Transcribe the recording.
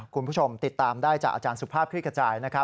คุณผู้ชมติดตามได้จากอาจารย์สุภาพคลิกกระจายนะครับ